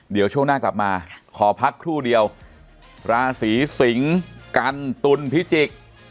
เดี๋ยวช่วงหน้ากลับมาขอพักครู่เดียวราศีสิงกันตุลพิจิกษ์